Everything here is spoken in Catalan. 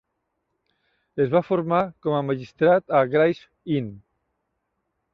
Es va formar com a magistrat a Gray's Inn.